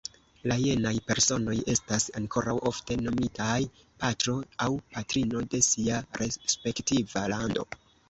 La jenaj personoj estas ankoraŭ ofte nomitaj "Patro" aŭ "Patrino" de sia respektiva lando.